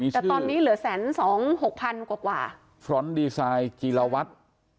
แต่ตอนนี้เหลือแสนสองหกพันกว่าฟรอนต์ดีไซน์จีรวัตร